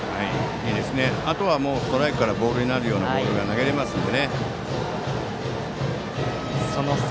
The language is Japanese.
いいですね、あとはもうストライクからボールになるボールが投げられますからね。